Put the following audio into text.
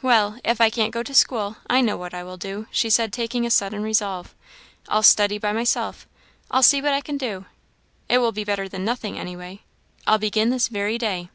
Well, if I can't go to school, I know what I will do," she said, taking a sudden resolve "I'll study by myself! I'll see what I can do; it will be better than nothing, any way. I'll begin this very day!"